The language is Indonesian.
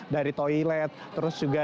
dari toilet terus juga